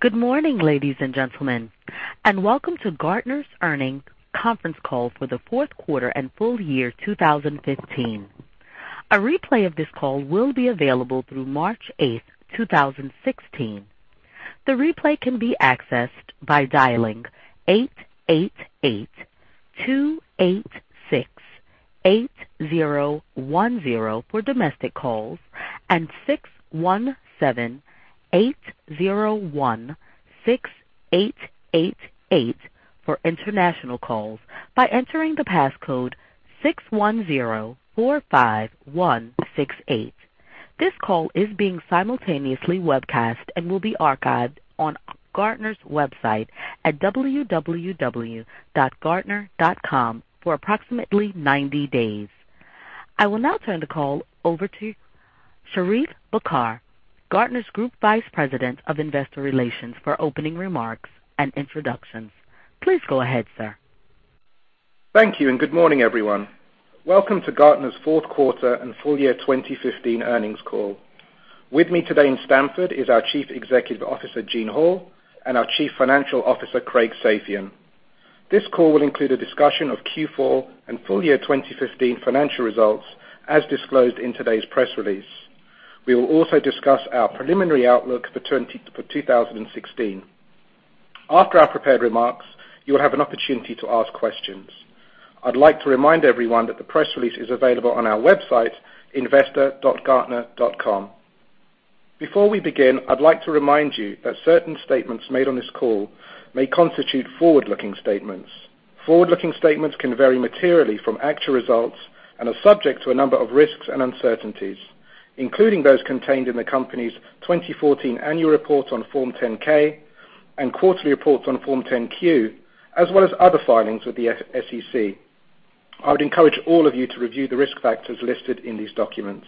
Good morning, ladies and gentlemen, welcome to Gartner's Earnings Conference Call for the fourth quarter and full year 2015. A replay of this call will be available through March 8, 2016. The replay can be accessed by dialing 888-286-8010 for domestic calls and 617-801-6888 for international calls by entering the passcode 61045168. This call is being simultaneously webcast and will be archived on Gartner's website at www.gartner.com for approximately 90 days. I will now turn the call over to Sherief Bakr, Gartner's Group Vice President of Investor Relations, for opening remarks and introductions. Please go ahead, sir. Thank you, good morning, everyone. Welcome to Gartner's Fourth Quarter and Full Year 2015 Earnings Call. With me today in Stamford is our Chief Executive Officer, Gene Hall, and our Chief Financial Officer, Craig Safian. This call will include a discussion of Q4 and full year 2015 financial results as disclosed in today's press release. We will also discuss our preliminary outlook for 2016. After our prepared remarks, you will have an opportunity to ask questions. I'd like to remind everyone that the press release is available on our website, investor.gartner.com. Before we begin, I'd like to remind you that certain statements made on this call may constitute forward-looking statements. Forward-looking statements can vary materially from actual results and are subject to a number of risks and uncertainties, including those contained in the company's 2014 annual report on Form 10-K and quarterly reports on Form 10-Q, as well as other filings with the SEC. I would encourage all of you to review the risk factors listed in these documents.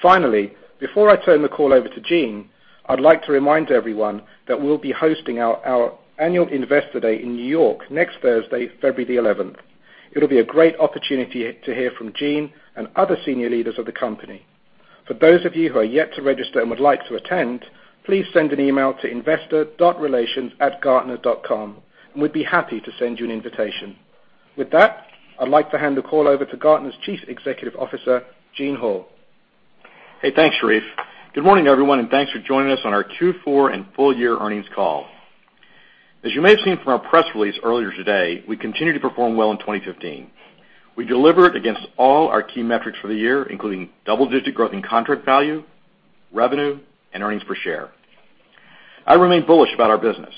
Finally, before I turn the call over to Gene, I'd like to remind everyone that we'll be hosting our annual Investor Day in New York next Thursday, February 11th. It'll be a great opportunity to hear from Gene and other senior leaders of the company. For those of you who are yet to register and would like to attend, please send an email to investor.relations@gartner.com, and we'd be happy to send you an invitation. With that, I'd like to hand the call over to Gartner's Chief Executive Officer, Gene Hall. Hey, thanks, Sherief. Good morning, everyone. Thanks for joining us on our Q4 and full year earnings call. As you may have seen from our press release earlier today, we continue to perform well in 2015. We delivered against all our key metrics for the year, including double-digit growth in contract value, revenue, and earnings per share. I remain bullish about our business.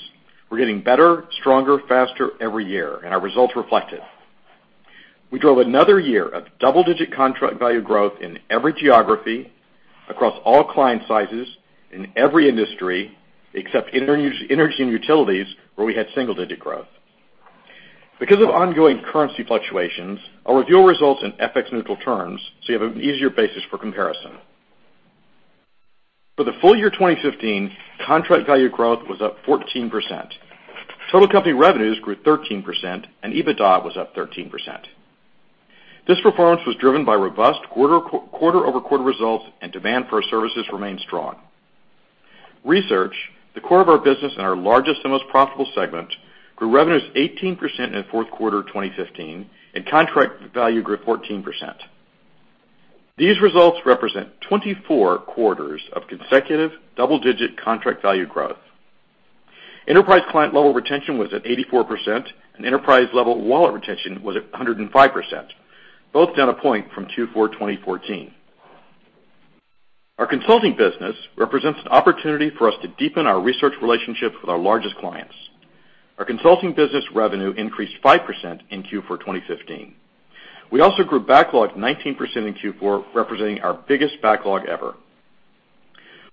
We're getting better, stronger, faster every year, and our results reflect it. We drove another year of double-digit contract value growth in every geography across all client sizes in every industry except energy and utilities, where we had single-digit growth. Because of ongoing currency fluctuations, I'll review our results in FX neutral terms so you have an easier basis for comparison. For the full year 2015, contract value growth was up 14%. Total company revenues grew 13%. EBITDA was up 13%. This performance was driven by robust quarter-over-quarter results. Demand for our services remained strong. Research, the core of our business and our largest and most profitable segment, grew revenues 18% in the fourth quarter of 2015. Contract value grew 14%. These results represent 24 quarters of consecutive double-digit contract value growth. Enterprise client level retention was at 84%. Enterprise-level wallet retention was at 105%, both down a point from Q4 2014. Our consulting business represents an opportunity for us to deepen our research relationship with our largest clients. Our consulting business revenue increased 5% in Q4 2015. We also grew backlog 19% in Q4, representing our biggest backlog ever.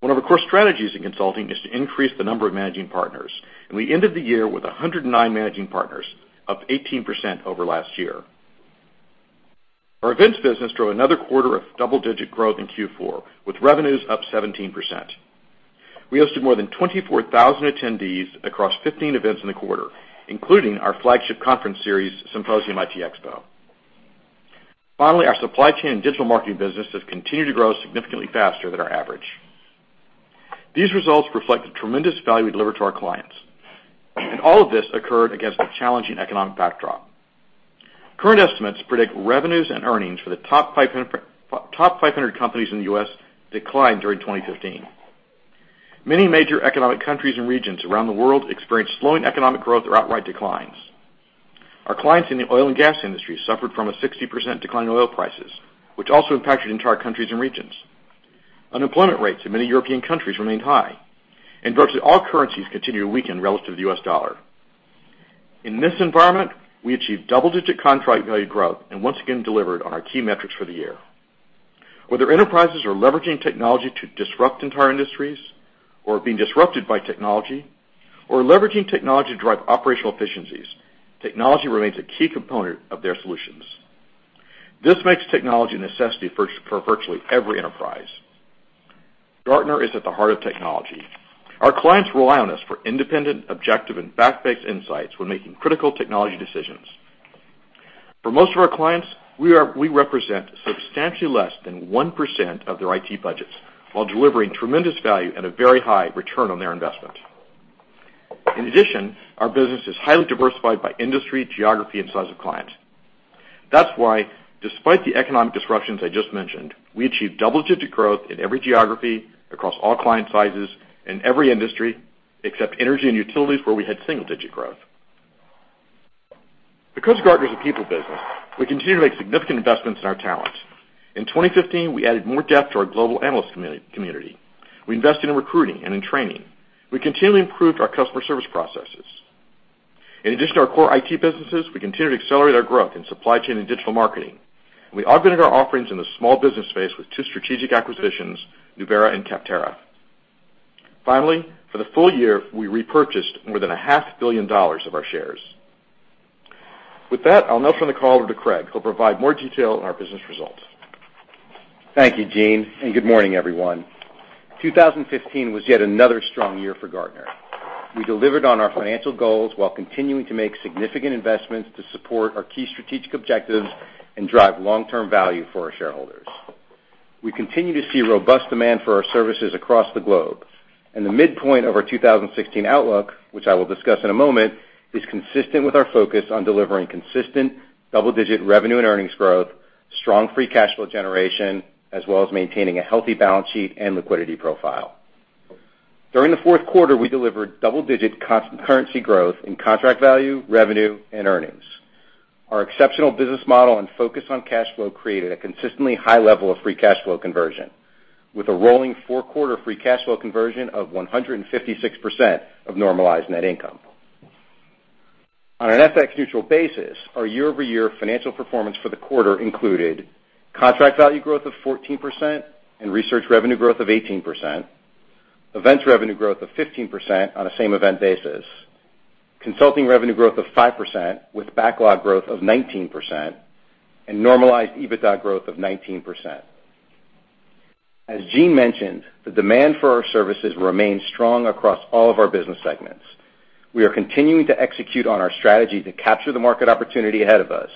One of our core strategies in consulting is to increase the number of managing partners, and we ended the year with 109 managing partners, up 18% over last year. Our events business drove another quarter of double-digit growth in Q4, with revenues up 17%. We hosted more than 24,000 attendees across 15 events in the quarter, including our flagship conference series, Gartner IT Symposium/Xpo. Finally, our supply chain and digital marketing business has continued to grow significantly faster than our average. These results reflect the tremendous value we deliver to our clients, and all of this occurred against a challenging economic backdrop. Current estimates predict revenues and earnings for the top 500 top 500 companies in the U.S. declined during 2015. Many major economic countries and regions around the world experienced slowing economic growth or outright declines. Our clients in the oil and gas industry suffered from a 60% decline in oil prices, which also impacted entire countries and regions. Unemployment rates in many European countries remained high, and virtually all currencies continue to weaken relative to the US dollar. In this environment, we achieved double-digit contract value growth and once again delivered on our key metrics for the year. Whether enterprises are leveraging technology to disrupt entire industries or being disrupted by technology or leveraging technology to drive operational efficiencies, technology remains a key component of their solutions. This makes technology a necessity for virtually every enterprise. Gartner is at the heart of technology. Our clients rely on us for independent, objective, and fact-based insights when making critical technology decisions. For most of our clients, we represent substantially less than 1% of their IT budgets while delivering tremendous value at a very high return on their investment. Our business is highly diversified by industry, geography, and size of client. Despite the economic disruptions I just mentioned, we achieved double-digit growth in every geography across all client sizes in every industry, except energy and utilities, where we had single-digit growth. Gartner is a people business, we continue to make significant investments in our talent. In 2015, we added more depth to our global analyst community. We invested in recruiting and in training. We continually improved our customer service processes. In addition to our core IT businesses, we continue to accelerate our growth in supply chain and digital marketing. We augmented our offerings in the small business space with two strategic acquisitions, Nubera and Capterra. Finally, for the full year, we repurchased more than a $500,000,000 of our shares. With that, I'll now turn the call over to Craig, who'll provide more detail on our business results. Thank you, Gene. Good morning, everyone. 2015 was yet another strong year for Gartner. We delivered on our financial goals while continuing to make significant investments to support our key strategic objectives and drive long-term value for our shareholders. We continue to see robust demand for our services across the globe, and the midpoint of our 2016 outlook, which I will discuss in a moment, is consistent with our focus on delivering consistent double-digit revenue and earnings growth, strong free cash flow generation, as well as maintaining a healthy balance sheet and liquidity profile. During the fourth quarter, we delivered double-digit currency growth in contract value, revenue, and earnings. Our exceptional business model and focus on cash flow created a consistently high level of free cash flow conversion, with a rolling four-quarter free cash flow conversion of 156% of normalized net income. On an FX neutral basis, our year-over-year financial performance for the quarter included contract value growth of 14% and research revenue growth of 18%, events revenue growth of 15% on a same event basis, consulting revenue growth of 5% with backlog growth of 19%, and normalized EBITDA growth of 19%. As Gene mentioned, the demand for our services remains strong across all of our business segments. We are continuing to execute on our strategy to capture the market opportunity ahead of us,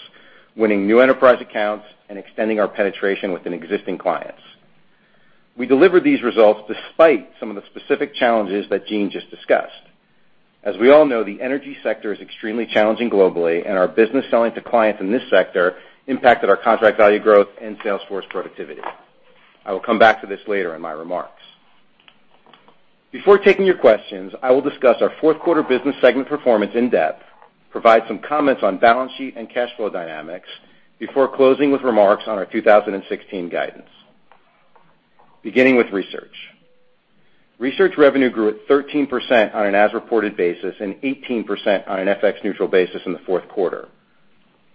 winning new enterprise accounts and extending our penetration within existing clients. We delivered these results despite some of the specific challenges that Gene just discussed. As we all know, the energy sector is extremely challenging globally, and our business selling to clients in this sector impacted our contract value growth and sales force productivity. I will come back to this later in my remarks. Before taking your questions, I will discuss our fourth quarter business segment performance in depth, provide some comments on balance sheet and cash flow dynamics before closing with remarks on our 2016 guidance. Beginning with Research. Research revenue grew at 13% on an as-reported basis and 18% on an FX neutral basis in the fourth quarter.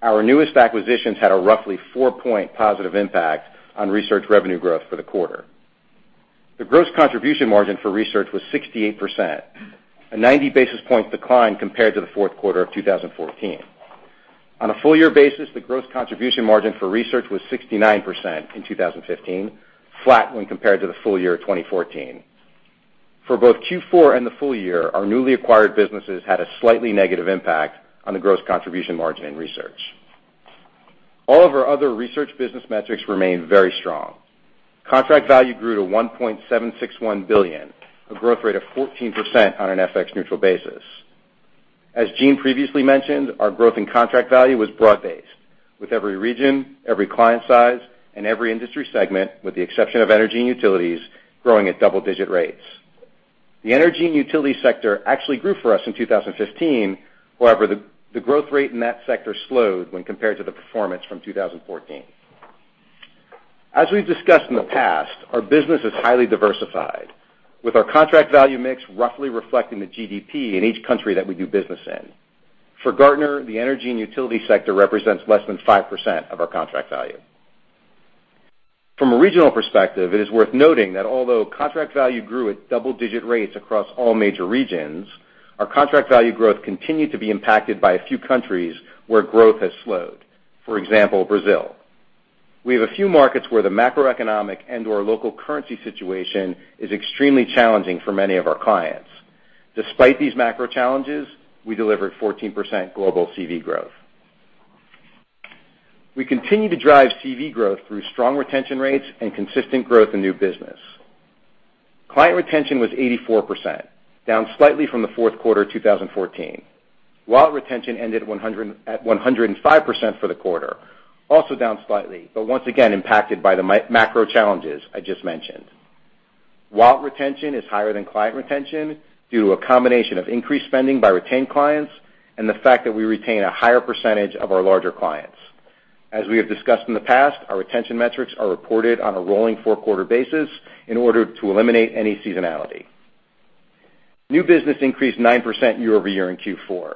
Our newest acquisitions had a roughly four-point positive impact on Research revenue growth for the quarter. The gross contribution margin for Research was 68%, a 90 basis points decline compared to the fourth quarter of 2014. On a full year basis, the gross contribution margin for research was 69% in 2015, flat when compared to the full year 2014. For both Q4 and the full year, our newly acquired businesses had a slightly negative impact on the gross contribution margin in research. All of our other research business metrics remain very strong. Contract value grew to $1.761 billion, a growth rate of 14% on an FX neutral basis. As Gene previously mentioned, our growth in contract value was broad-based with every region, every client size, and every industry segment, with the exception of energy and utilities, growing at double-digit rates. The energy and utility sector actually grew for us in 2015. However, the growth rate in that sector slowed when compared to the performance from 2014. As we've discussed in the past, our business is highly diversified with our contract value mix roughly reflecting the GDP in each country that we do business in. For Gartner, the energy and utility sector represents less than 5% of our contract value. From a regional perspective, it is worth noting that although contract value grew at double-digit rates across all major regions, our contract value growth continued to be impacted by a few countries where growth has slowed. For example, Brazil. We have a few markets where the macroeconomic and/or local currency situation is extremely challenging for many of our clients. Despite these macro challenges, we delivered 14% global CV growth. We continue to drive CV growth through strong retention rates and consistent growth in new business. Client retention was 84%, down slightly from the fourth quarter 2014. Wallet retention ended at 105% for the quarter, also down slightly, but once again impacted by the macro challenges I just mentioned. Wallet retention is higher than client retention due to a combination of increased spending by retained clients and the fact that we retain a higher % of our larger clients. As we have discussed in the past, our retention metrics are reported on a rolling four-quarter basis in order to eliminate any seasonality. New business increased 9% year-over-year in Q4.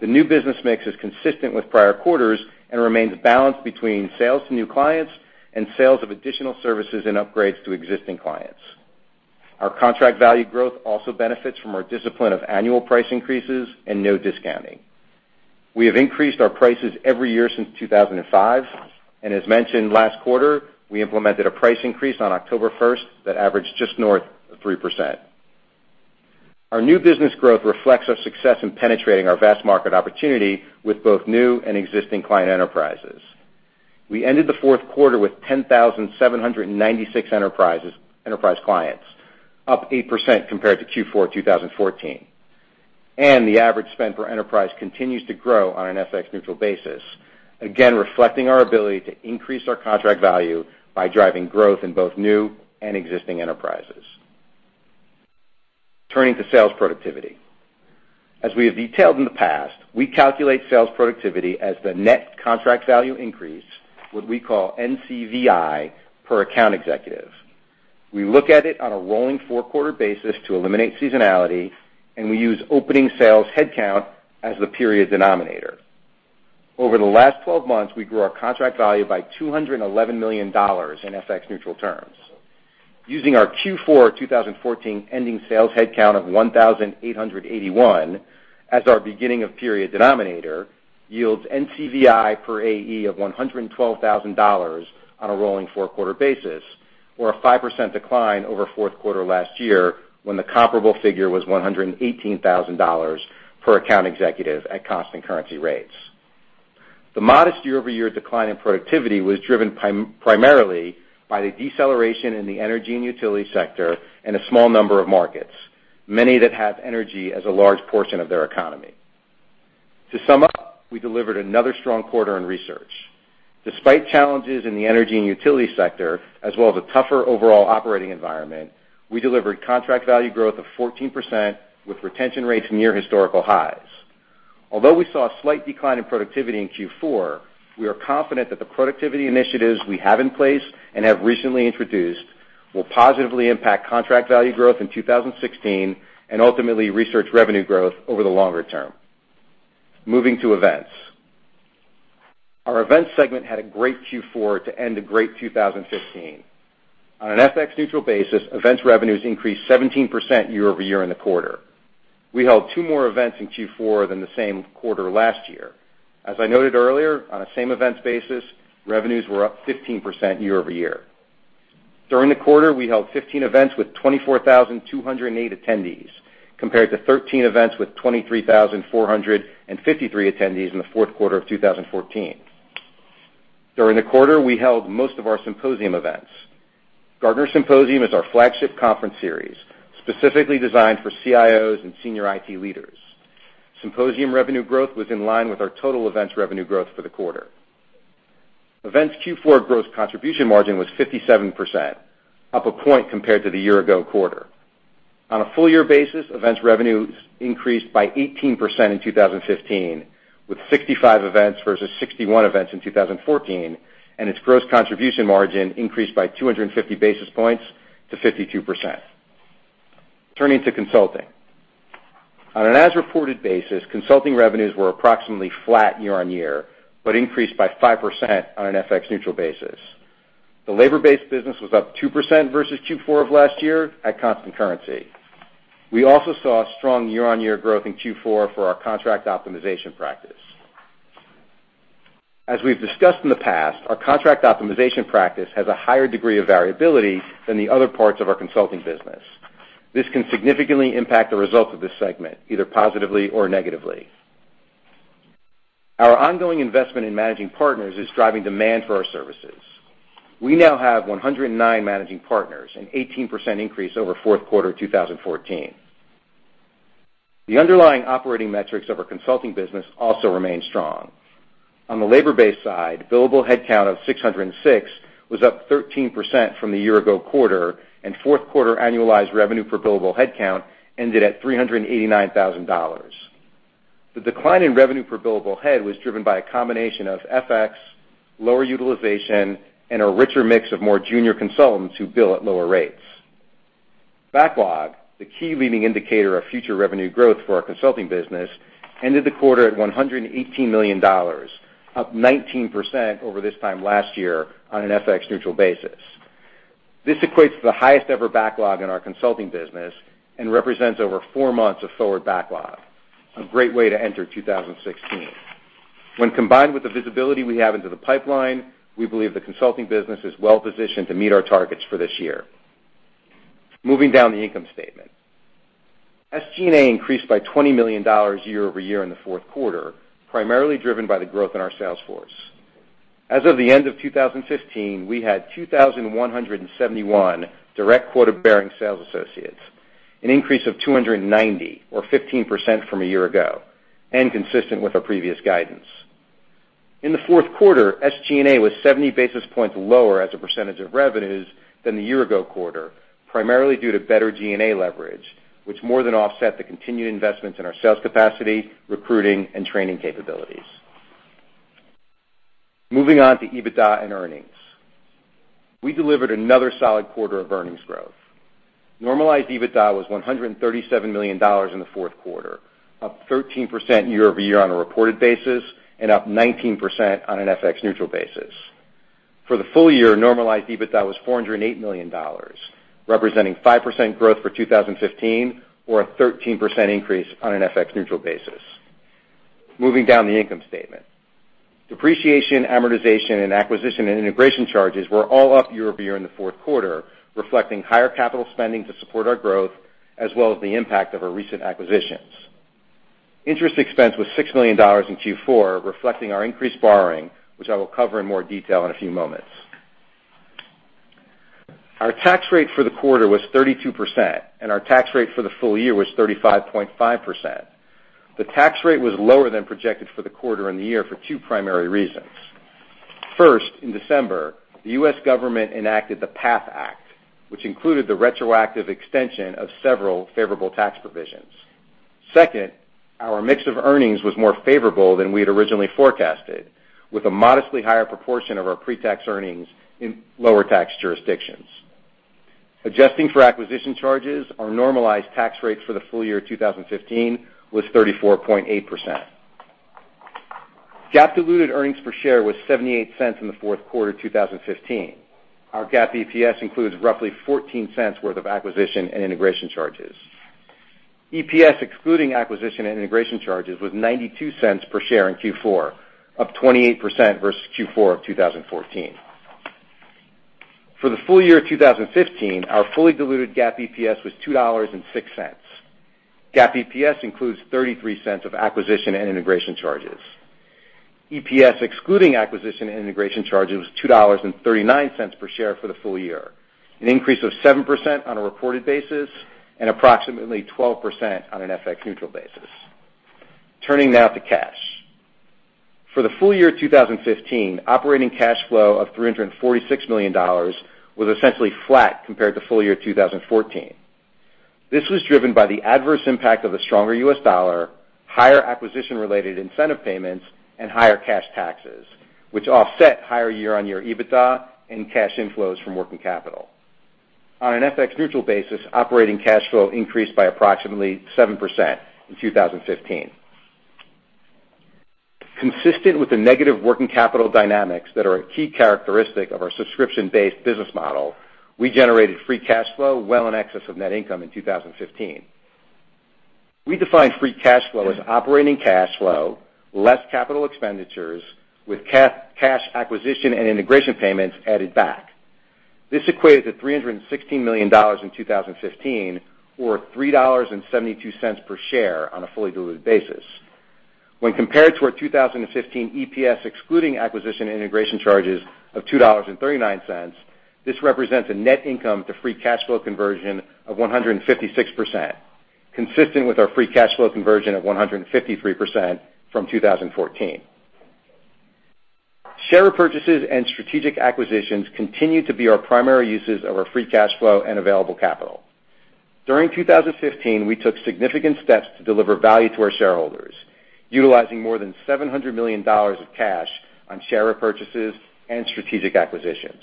The new business mix is consistent with prior quarters and remains balanced between sales to new clients and sales of additional services and upgrades to existing clients. Our contract value growth also benefits from our discipline of annual price increases and no discounting. We have increased our prices every year since 2005. As mentioned last quarter, we implemented a price increase on October 1st that averaged just north of 3%. Our new business growth reflects our success in penetrating our vast market opportunity with both new and existing client enterprises. We ended the fourth quarter with 10,796 enterprise clients, up 8% compared to Q4 2014. The average spend per enterprise continues to grow on an FX neutral basis, again reflecting our ability to increase our contract value by driving growth in both new and existing enterprises. Turning to sales productivity. As we have detailed in the past, we calculate sales productivity as the net contract value increase, what we call NCVI, per account executive. We look at it on a rolling four-quarter basis to eliminate seasonality, and we use opening sales headcount as the period denominator. Over the last 12 months, we grew our contract value by $211 million in FX neutral terms. Using our Q4 2014 ending sales headcount of 1,881 as our beginning of period denominator yields NCVI per AE of $112,000 on a rolling four-quarter basis or a 5% decline over fourth quarter last year when the comparable figure was $118,000 per account executive at constant currency rates. The modest year-over-year decline in productivity was driven primarily by the deceleration in the energy and utility sector and a small number of markets, many that have energy as a large portion of their economy. To sum up, we delivered another strong quarter in research. Despite challenges in the energy and utility sector, as well as a tougher overall operating environment, we delivered contract value growth of 14% with retention rates near historical highs. Although we saw a slight decline in productivity in Q4, we are confident that the productivity initiatives we have in place and have recently introduced will positively impact contract value growth in 2016 and ultimately research revenue growth over the longer term. Moving to events. Our events segment had a great Q4 to end a great 2015. On an FX neutral basis, events revenues increased 17% year-over-year in the quarter. We held two more events in Q4 than the same quarter last year. As I noted earlier, on a same events basis, revenues were up 15% year-over-year. During the quarter, we held 15 events with 24,208 attendees, compared to 13 events with 23,453 attendees in the fourth quarter of 2014. During the quarter, we held most of our Symposium events. Gartner Symposium is our flagship conference series, specifically designed for CIOs and senior IT leaders. Symposium revenue growth was in line with our total events revenue growth for the quarter. Events Q4 gross contribution margin was 57%, up a point compared to the year ago quarter. On a full year basis, events revenues increased by 18% in 2015, with 65 events versus 61 events in 2014, and its gross contribution margin increased by 250 basis points to 52%. Turning to consulting. On an as-reported basis, consulting revenues were approximately flat year-on-year, but increased by 5% on an FX neutral basis. The labor-based business was up 2% versus Q4 of last year at constant currency. We also saw strong year-on-year growth in Q4 for our contract optimization practice. As we've discussed in the past, our contract optimization practice has a higher degree of variability than the other parts of our consulting business. This can significantly impact the results of this segment, either positively or negatively. Our ongoing investment in managing partners is driving demand for our services. We now have 109 managing partners, an 18% increase over fourth quarter 2014. The underlying operating metrics of our consulting business also remain strong. On the labor-based side, billable headcount of 606 was up 13% from the year-ago quarter, and fourth quarter annualized revenue per billable headcount ended at $389,000. The decline in revenue per billable head was driven by a combination of FX, lower utilization, and a richer mix of more junior consultants who bill at lower rates. Backlog, the key leading indicator of future revenue growth for our consulting business, ended the quarter at $118 million, up 19% over this time last year on an FX neutral basis. This equates to the highest ever backlog in our consulting business and represents over four months of forward backlog, a great way to enter 2016. When combined with the visibility we have into the pipeline, we believe the consulting business is well positioned to meet our targets for this year. Moving down the income statement. SG&A increased by $20 million year-over-year in the fourth quarter, primarily driven by the growth in our sales force. As of the end of 2015, we had 2,171 direct quota-bearing sales associates, an increase of 290 or 15% from a year ago, and consistent with our previous guidance. In the fourth quarter, SG&A was 70 basis points lower as a percentage of revenues than the year ago quarter, primarily due to better G&A leverage, which more than offset the continued investments in our sales capacity, recruiting, and training capabilities. Moving on to EBITDA and earnings. We delivered another solid quarter of earnings growth. Normalized EBITDA was $137 million in the fourth quarter, up 13% year-over-year on a reported basis and up 19% on an FX neutral basis. For the full year, normalized EBITDA was $408 million, representing 5% growth for 2015 or a 13% increase on an FX neutral basis. Moving down the income statement. Depreciation, amortization, and acquisition and integration charges were all up year-over-year in the fourth quarter, reflecting higher capital spending to support our growth, as well as the impact of our recent acquisitions. Interest expense was $6 million in Q4, reflecting our increased borrowing, which I will cover in more detail in a few moments. Our tax rate for the quarter was 32%, and our tax rate for the full year was 35.5%. The tax rate was lower than projected for the quarter and the year for two primary reasons. First, in December, the U.S. government enacted the PATH Act, which included the retroactive extension of several favorable tax provisions. Second, our mix of earnings was more favorable than we had originally forecasted, with a modestly higher proportion of our pre-tax earnings in lower tax jurisdictions. Adjusting for acquisition charges, our normalized tax rates for the full year 2015 was 34.8%. GAAP diluted earnings per share was $0.78 in the fourth quarter 2015. Our GAAP EPS includes roughly $0.14 worth of acquisition and integration charges. EPS, excluding acquisition and integration charges, was $0.92 per share in Q4, up 28% versus Q4 of 2014. For the full year 2015, our fully diluted GAAP EPS was $2.06. GAAP EPS includes $0.33 of acquisition and integration charges. EPS, excluding acquisition and integration charges, was $2.39 per share for the full year, an increase of 7% on a reported basis and approximately 12% on an FX neutral basis. Turning now to cash. For the full year 2015, operating cash flow of $346 million was essentially flat compared to full year 2014. This was driven by the adverse impact of a stronger U.S. dollar, higher acquisition-related incentive payments, and higher cash taxes, which offset higher year-on-year EBITDA and cash inflows from working capital. On an FX neutral basis, operating cash flow increased by approximately 7% in 2015. Consistent with the negative working capital dynamics that are a key characteristic of our subscription-based business model, we generated free cash flow well in excess of net income in 2015. We define free cash flow as operating cash flow, less capital expenditures with cash acquisition and integration payments added back. This equated to $316 million in 2015, or $3.72 per share on a fully diluted basis. When compared to our 2015 EPS, excluding acquisition and integration charges of $2.39, this represents a net income to free cash flow conversion of 156%, consistent with our free cash flow conversion of 153% from 2014. Share repurchases and strategic acquisitions continue to be our primary uses of our free cash flow and available capital. During 2015, we took significant steps to deliver value to our shareholders, utilizing more than $700 million of cash on share repurchases and strategic acquisitions.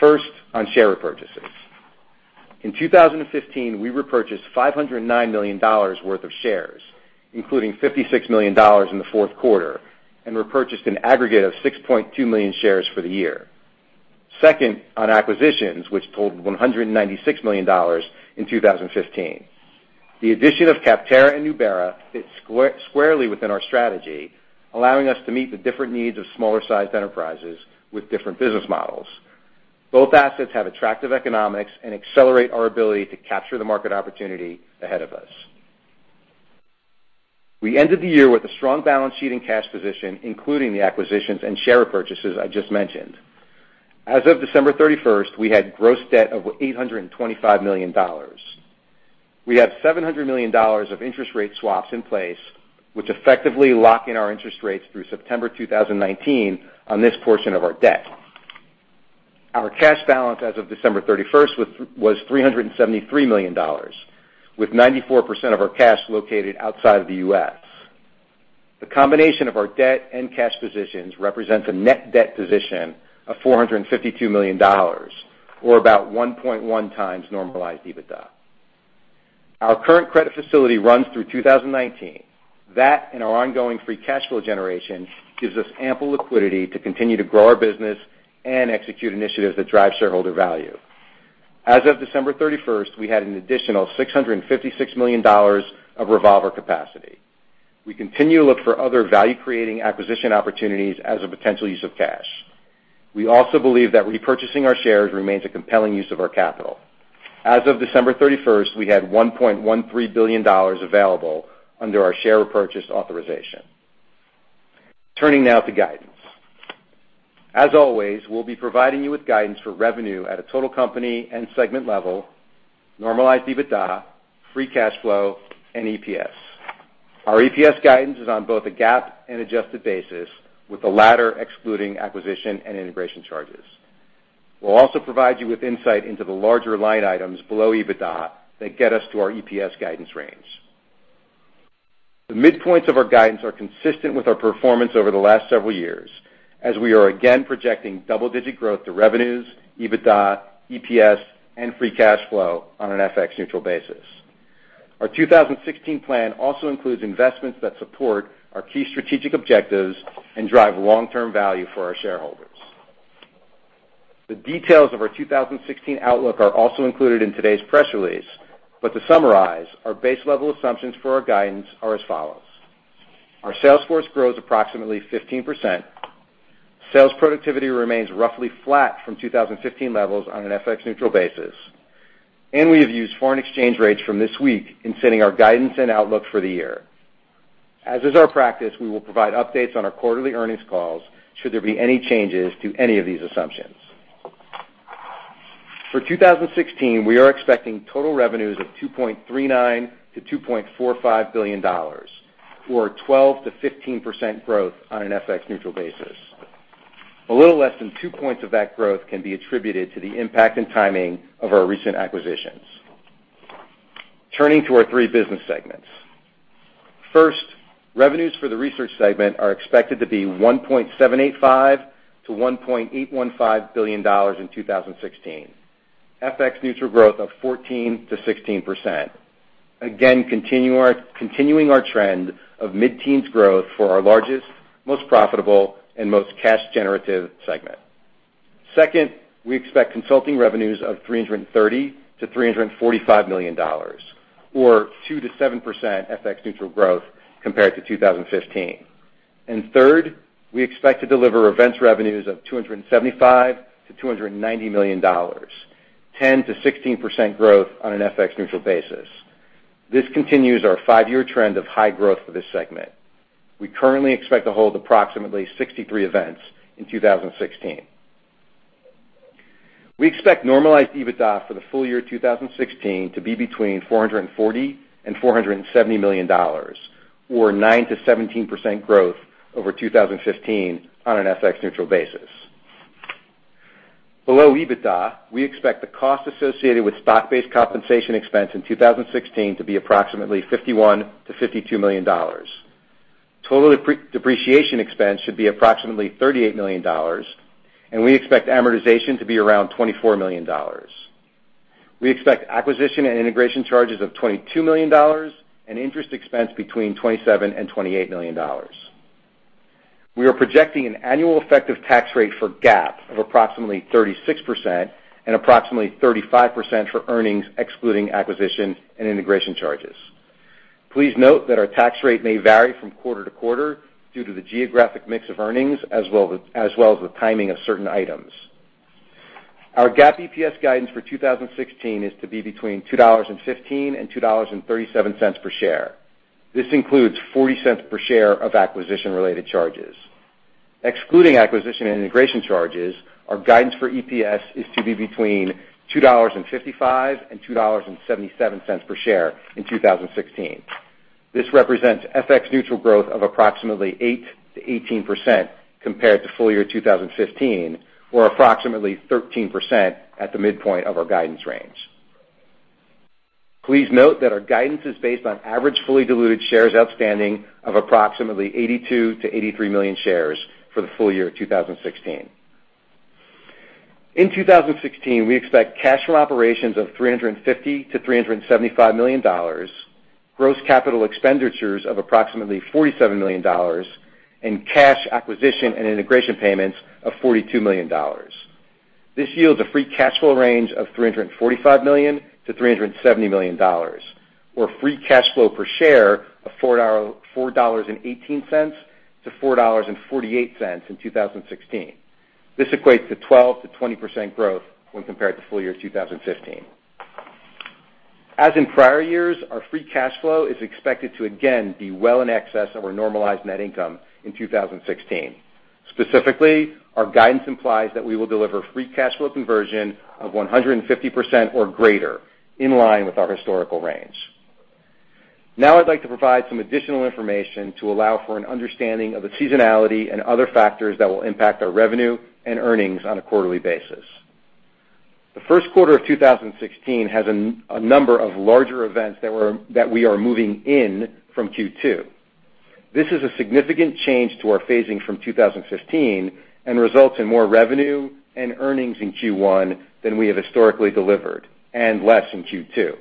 First, on share repurchases. In 2015, we repurchased $509 million worth of shares, including $56 million in the fourth quarter, and repurchased an aggregate of 6.2 million shares for the year. Second, on acquisitions, which totaled $196 million in 2015. The addition of Capterra and Nubera fits squarely within our strategy, allowing us to meet the different needs of smaller-sized enterprises with different business models. Both assets have attractive economics and accelerate our ability to capture the market opportunity ahead of us. We ended the year with a strong balance sheet and cash position, including the acquisitions and share repurchases I just mentioned. As of December 31st, we had gross debt of $825 million. We have $700 million of interest rate swaps in place, which effectively lock in our interest rates through September 2019 on this portion of our debt. Our cash balance as of December 31st was $373 million, with 94% of our cash located outside of the U.S. The combination of our debt and cash positions represents a net debt position of $452 million, or about 1.1 times normalized EBITDA. Our current credit facility runs through 2019. That and our ongoing free cash flow generation gives us ample liquidity to continue to grow our business and execute initiatives that drive shareholder value. As of December 31st, we had an additional $656 million of revolver capacity. We continue to look for other value-creating acquisition opportunities as a potential use of cash. We also believe that repurchasing our shares remains a compelling use of our capital. As of December 31st, we had $1.13 billion available under our share repurchase authorization. Turning now to guidance. As always, we'll be providing you with guidance for revenue at a total company and segment level, normalized EBITDA, free cash flow, and EPS. Our EPS guidance is on both a GAAP and adjusted basis, with the latter excluding acquisition and integration charges. We'll also provide you with insight into the larger line items below EBITDA that get us to our EPS guidance range. The midpoints of our guidance are consistent with our performance over the last several years, as we are again projecting double-digit growth to revenues, EBITDA, EPS, and free cash flow on an FX neutral basis. Our 2016 plan also includes investments that support our key strategic objectives and drive long-term value for our shareholders. The details of our 2016 outlook are also included in today's press release, but to summarize, our base level assumptions for our guidance are as follows. Our sales force grows approximately 15%. Sales productivity remains roughly flat from 2015 levels on an FX neutral basis. We have used foreign exchange rates from this week in setting our guidance and outlook for the year. As is our practice, we will provide updates on our quarterly earnings calls should there be any changes to any of these assumptions. For 2016, we are expecting total revenues of $2.39 billion-$2.45 billion or 12%-15% growth on an FX neutral basis. A little less than two points of that growth can be attributed to the impact and timing of our recent acquisitions. Turning to our 3 business segments. First, revenues for the Research segment are expected to be $1.785 billion-$1.815 billion in 2016. FX neutral growth of 14%-16%. Again, continuing our trend of mid-teens growth for our largest, most profitable, and most cash generative segment. Second, we expect consulting revenues of $330 million-$345 million or 2%-7% FX neutral growth compared to 2015. Third, we expect to deliver events revenues of $275 million-$290 million, 10%-16% growth on an FX neutral basis. This continues our 5-year trend of high growth for this segment. We currently expect to hold approximately 63 events in 2016. We expect normalized EBITDA for the full year 2016 to be between $440 million and $470 million, or 9%-17% growth over 2015 on an FX neutral basis. Below EBITDA, we expect the cost associated with stock-based compensation expense in 2016 to be approximately $51 million-$52 million. Total depreciation expense should be approximately $38 million, and we expect amortization to be around $24 million. We expect acquisition and integration charges of $22 million and interest expense between $27 million and $28 million. We are projecting an annual effective tax rate for GAAP of approximately 36% and approximately 35% for earnings excluding acquisition and integration charges. Please note that our tax rate may vary from quarter to quarter due to the geographic mix of earnings as well as the timing of certain items. Our GAAP EPS guidance for 2016 is to be between $2.15 and $2.37 per share. This includes $0.40 per share of acquisition-related charges. Excluding acquisition and integration charges, our guidance for EPS is to be between $2.55 and $2.77 per share in 2016. This represents FX neutral growth of approximately 8%-18% compared to full year 2015, or approximately 13% at the midpoint of our guidance range. Please note that our guidance is based on average fully diluted shares outstanding of approximately 82 million-83 million shares for the full year 2016. In 2016, we expect cash from operations of $350 million-$375 million, gross capital expenditures of approximately $47 million, and cash acquisition and integration payments of $42 million. This yields a free cash flow range of $345 million-$370 million, or free cash flow per share of $4.18-$4.48 in 2016. This equates to 12%-20% growth when compared to full year 2015. As in prior years, our free cash flow is expected to again be well in excess of our normalized net income in 2016. Specifically, our guidance implies that we will deliver free cash flow conversion of 150% or greater, in line with our historical range. Now I'd like to provide some additional information to allow for an understanding of the seasonality and other factors that will impact our revenue and earnings on a quarterly basis. The first quarter of 2016 has a number of larger events that we are moving in from Q2. This is a significant change to our phasing from 2015 and results in more revenue and earnings in Q1 than we have historically delivered and less in Q2.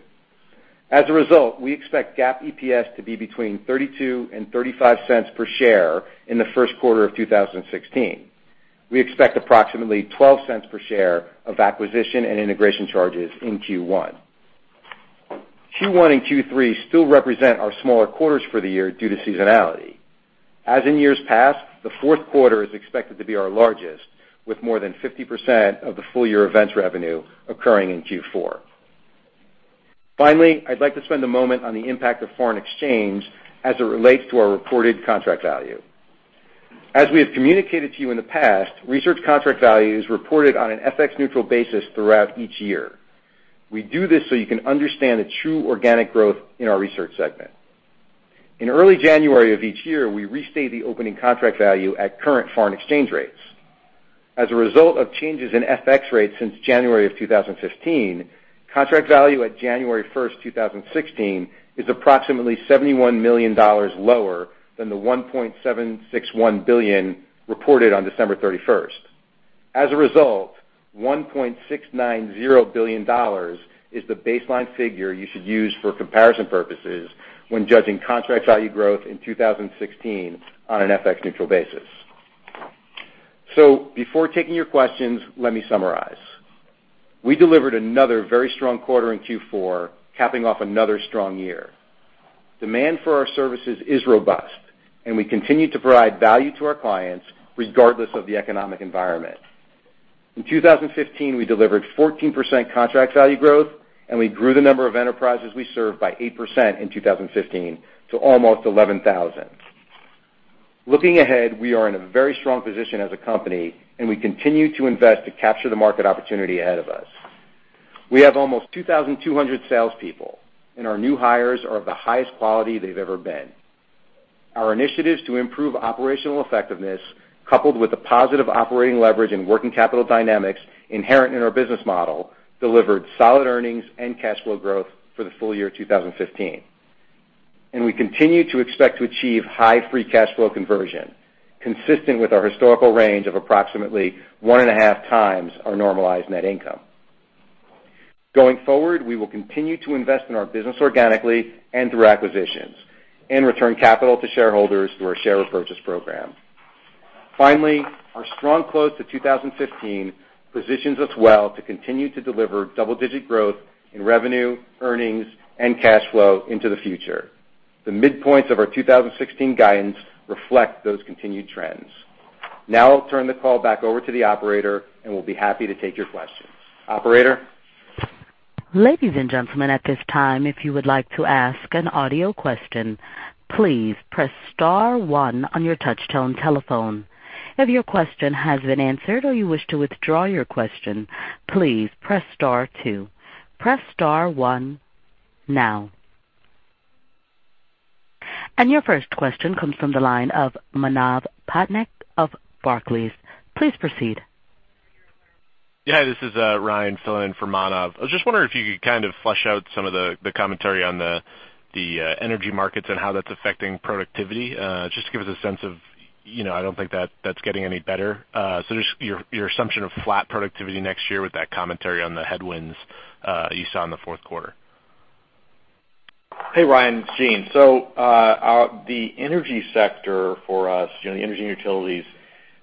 As a result, we expect GAAP EPS to be between $0.32 and $0.35 per share in the first quarter of 2016. We expect approximately $0.12 per share of acquisition and integration charges in Q1. Q1 and Q3 still represent our smaller quarters for the year due to seasonality. As in years past, the fourth quarter is expected to be our largest, with more than 50% of the full-year events revenue occurring in Q4. Finally, I'd like to spend a moment on the impact of foreign exchange as it relates to our reported contract value. As we have communicated to you in the past, research contract value is reported on an FX neutral basis throughout each year. We do this so you can understand the true organic growth in our research segment. In early January of each year, we restate the opening contract value at current foreign exchange rates. As a result of changes in FX rates since January of 2015, contract value at January first, 2016 is approximately $71 million lower than the $1.761 billion reported on December thirty-first. As a result, $1.690 billion is the baseline figure you should use for comparison purposes when judging contract value growth in 2016 on an FX neutral basis. Before taking your questions, let me summarize. We delivered another very strong quarter in Q4, capping off another strong year. Demand for our services is robust, and we continue to provide value to our clients regardless of the economic environment. In 2015, we delivered 14% contract value growth, and we grew the number of enterprises we serve by 8% in 2015 to almost 11,000. Looking ahead, we are in a very strong position as a company, and we continue to invest to capture the market opportunity ahead of us. We have almost 2,200 salespeople, and our new hires are of the highest quality they've ever been. Our initiatives to improve operational effectiveness, coupled with the positive operating leverage and working capital dynamics inherent in our business model, delivered solid earnings and cash flow growth for the full year 2015. We continue to expect to achieve high free cash flow conversion, consistent with our historical range of approximately 1.5x our normalized net income. Going forward, we will continue to invest in our business organically and through acquisitions and return capital to shareholders through our share repurchase program. Finally, our strong close to 2015 positions us well to continue to deliver double-digit growth in revenue, earnings, and cash flow into the future. The midpoints of our 2016 guidance reflect those continued trends. Now I'll turn the call back over to the operator, and we'll be happy to take your questions. Operator? Ladies and gentlemen, at this time, if you would like to ask an audio question, please press star one on your touchtone telephone. If your question has been answered or you wish to withdraw your question, please press star two. Press star one now. Your first question comes from the line of Manav Patnaik of Barclays. Please proceed. Yeah, this is Ryan filling in for Manav. I was just wondering if you could kind of flesh out some of the commentary on the energy markets and how that's affecting productivity. Just to give us a sense of, you know, I don't think that that's getting any better. Just your assumption of flat productivity next year with that commentary on the headwinds, you saw in the fourth quarter. Hey, Ryan, it's Gene. The energy sector for us, you know, the energy and utilities,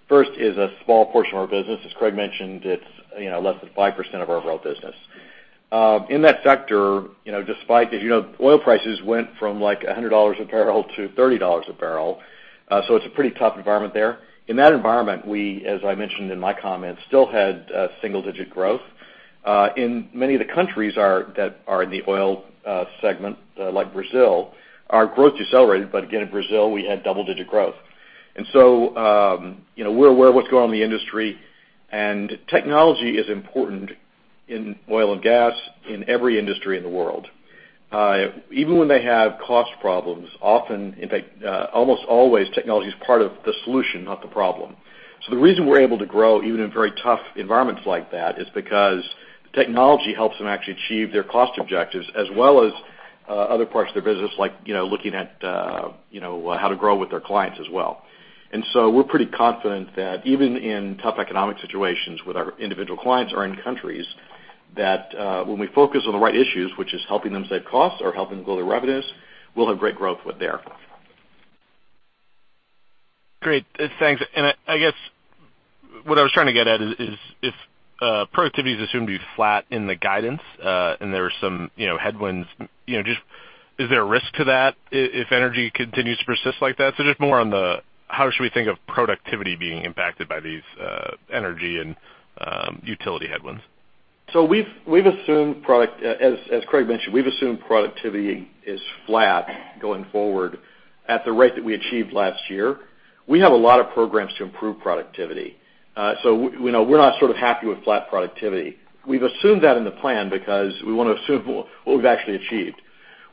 first is a small portion of our business. As Craig mentioned, it's, you know, less than 5% of our overall business. In that sector, you know, despite that, you know, oil prices went from like $100 a barrel to $30 a barrel, it's a pretty tough environment there. In that environment, we, as I mentioned in my comments, still had single-digit growth. In many of the countries that are in the oil segment, like Brazil, our growth decelerated, again in Brazil, we had double-digit growth. You know, we're aware of what's going on in the industry, and technology is important in oil and gas in every industry in the world. Even when they have cost problems, often, in fact, almost always technology is part of the solution, not the problem. The reason we're able to grow even in very tough environments like that is because technology helps them actually achieve their cost objectives as well as other parts of their business like, you know, looking at, you know, how to grow with their clients as well. We're pretty confident that even in tough economic situations with our individual clients or in countries, that, when we focus on the right issues, which is helping them save costs or helping them grow their revenues, we'll have great growth with there. Great. Thanks. I guess what I was trying to get at is, if productivity is assumed to be flat in the guidance, and there are some, you know, headwinds, you know, just is there a risk to that if energy continues to persist like that? Just more on the how should we think of productivity being impacted by these energy and utility headwinds. We've assumed productivity is flat going forward at the rate that we achieved last year. We have a lot of programs to improve productivity. We, you know, we're not sort of happy with flat productivity. We've assumed that in the plan because we wanna assume what we've actually achieved.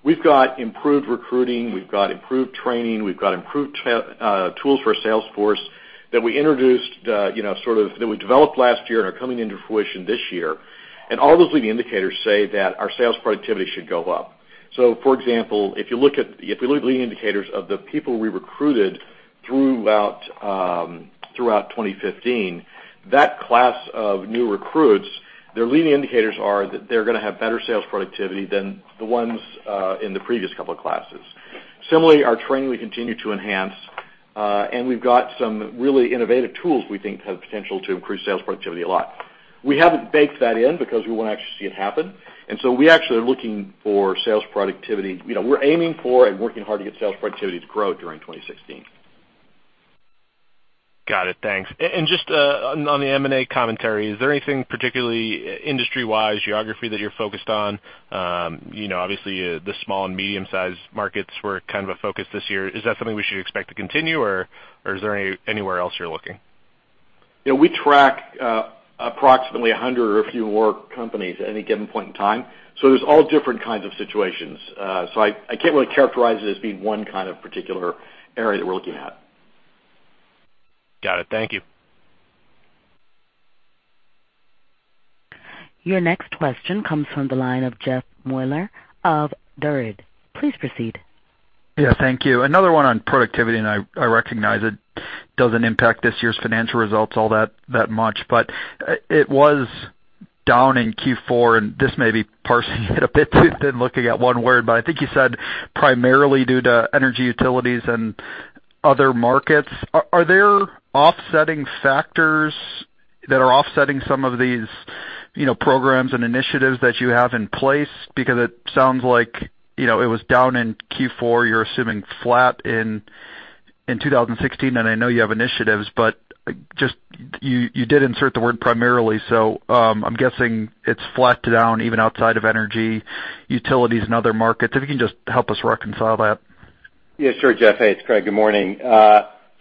We've got improved recruiting, we've got improved training, we've got improved tools for our sales force that we introduced, you know, sort of that we developed last year and are coming into fruition this year. All those leading indicators say that our sales productivity should go up. For example, if you look at the, if we look at leading indicators of the people we recruited throughout 2015, that class of new recruits, their leading indicators are that they're gonna have better sales productivity than the ones in the previous couple of classes. Similarly, our training we continue to enhance, and we've got some really innovative tools we think have potential to improve sales productivity a lot. We haven't baked that in because we wanna actually see it happen. We actually are looking for sales productivity. You know, we're aiming for and working hard to get sales productivity to grow during 2016. Got it. Thanks. Just on the M&A commentary, is there anything particularly industry-wise, geography that you're focused on? You know, obviously, the small and medium-sized markets were kind of a focus this year. Is that something we should expect to continue, or is there anywhere else you're looking? Yeah, we track approximately 100 or a few more companies at any given point in time, so there's all different kinds of situations. I can't really characterize it as being 1 kind of particular area that we're looking at. Got it. Thank you. Your next question comes from the line of Jeff Meuler of Baird. Please proceed. Yeah, thank you. Another one on productivity. I recognize it doesn't impact this year's financial results all that much, but it was down in Q4. This may be parsing it a bit too thin looking at one word, but I think you said primarily due to energy, utilities, and other markets. Are there offsetting factors that are offsetting some of these, you know, programs and initiatives that you have in place? It sounds like, you know, it was down in Q4. You're assuming flat in 2016. I know you have initiatives, but just you did insert the word primarily. I'm guessing it's flat to down even outside of energy, utilities, and other markets. If you can just help us reconcile that. Yeah, sure, Jeff. Hey, it's Craig. Good morning.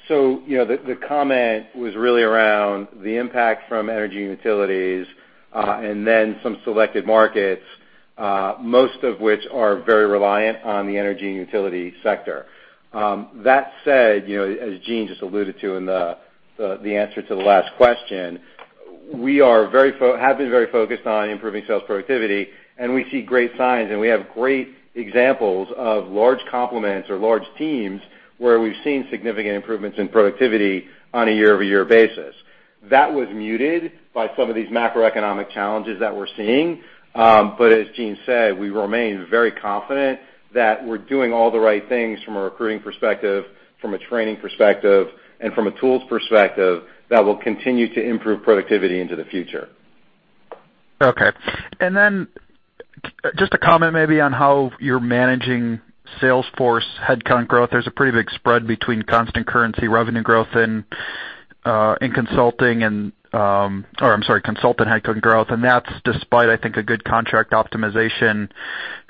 You know, the comment was really around the impact from energy and utilities, some selected markets, most of which are very reliant on the energy and utility sector. That said, you know, as Gene just alluded to in the answer to the last question, we have been very focused on improving sales productivity, and we see great signs, and we have great examples of large complements or large teams where we've seen significant improvements in productivity on a year-over-year basis. That was muted by some of these macroeconomic challenges that we're seeing. As Gene said, we remain very confident that we're doing all the right things from a recruiting perspective, from a training perspective, and from a tools perspective that will continue to improve productivity into the future. Okay. Just a comment maybe on how you're managing sales force headcount growth. There's a pretty big spread between constant currency revenue growth and in consulting and or I'm sorry, consultant headcount growth, and that's despite, I think, a good contract optimization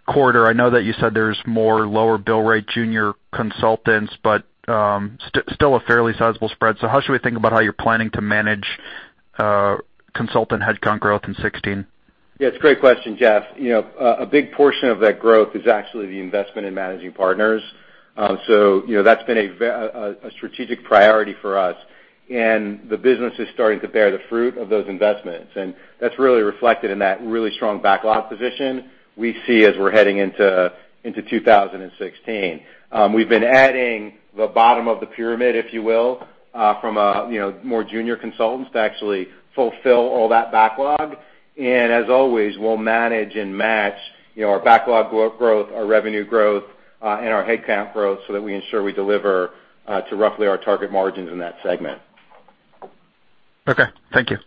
quarter. I know that you said there's more lower bill rate junior consultants, but still a fairly sizable spread. How should we think about how you're planning to manage consultant headcount growth in 2016? Yeah, it's a great question, Jeff. You know, a big portion of that growth is actually the investment in managing partners. You know, that's been a strategic priority for us, and the business is starting to bear the fruit of those investments. That's really reflected in that really strong backlog position we see as we're heading into 2016. We've been adding the bottom of the pyramid, if you will, from a, you know, more junior consultants to actually fulfill all that backlog. As always, we'll manage and match, you know, our backlog growth, our revenue growth, and our headcount growth so that we ensure we deliver to roughly our target margins in that segment. Okay, thank you.